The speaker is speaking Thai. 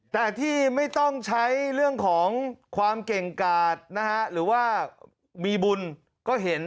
แต่ที่ไม่ต้องใช้เรื่องของความเก่งกาดนะฮะหรือว่ามีบุญก็เห็น